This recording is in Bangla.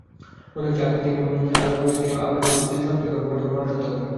মনে হচ্ছে, আগামী তিনি আবারও অতীতের সন্ত্রাসী কর্মকাণ্ড করে মানুষ হত্যা করবেন।